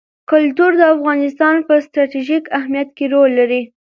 کلتور د افغانستان په ستراتیژیک اهمیت کې رول لري.